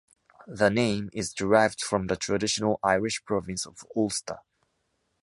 The name is derived from the traditional Irish province of Ulster.